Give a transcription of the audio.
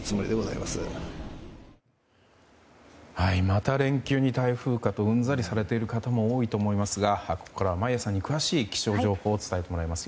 また連休に台風かとうんざりされている方も多いと思いますがここからは眞家さんに詳しい気象情報を伝えてもらいます。